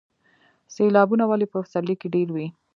سیلابونه ولې په پسرلي کې ډیر وي؟